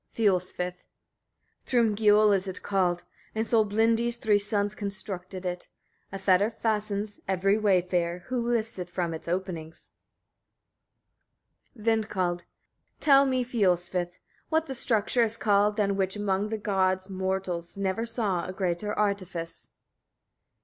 Fiolsvith. 11. Thrymgioll it is called, and Solblindi's three sons constructed it: a fetter fastens, every wayfarer, who lifts it from its opening. Vindkald. 12. Tell me, Fiolsvith! etc., what that structure is called, than which among the gods mortals never saw a greater artifice?